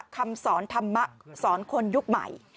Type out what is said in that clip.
คำสอนธรรมะสอนคนยุคใหม่